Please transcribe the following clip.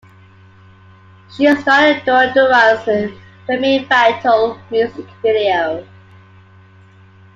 She starred in Duran Duran's "Femme Fatale" music video.